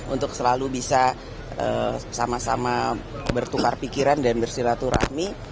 untuk selalu bisa sama sama bertukar pikiran dan bersilaturahmi